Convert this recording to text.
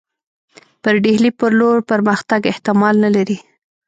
پر ډهلي پر لور پرمختګ احتمال نه لري.